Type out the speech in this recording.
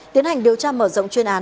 tiến hành điều tra mở rộng chuyên án